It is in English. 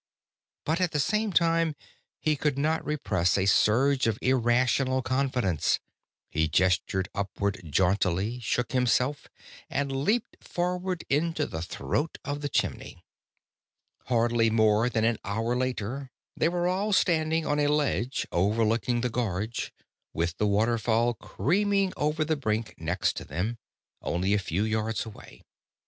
But at the same time he could not repress a surge of irrational confidence. He gestured upward jauntily, shook himself, and loped forward into the throat of the chimney. Hardly more than an hour later they were all standing on a ledge overlooking the gorge, with the waterfall creaming over the brink next to them, only a few yards away.